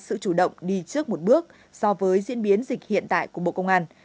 sự chủ động đi trước một bước so với diễn biến dịch hiện tại của bộ công an